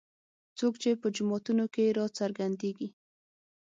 څوک چې په جوماتونو کې راڅرګندېږي.